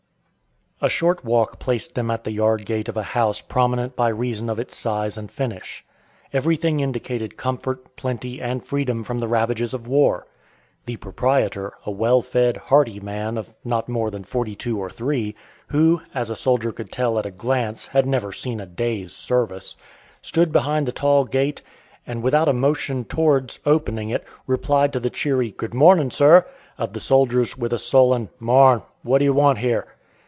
A short walk placed them at the yard gate of a house prominent by reason of its size and finish. Everything indicated comfort, plenty, and freedom from the ravages of war. The proprietor, a well fed, hearty man, of not more than forty two or three, who, as a soldier could tell at a glance, had never seen a day's service, stood behind the tall gate, and, without a motion towards opening it, replied to the cheery "Good morning, sir," of the soldiers with a sullen "morn; what do you want here?"